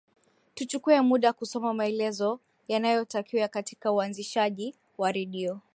tuchukue muda kusoma maelezo yanayotakiwa katika uanzishaji wa redio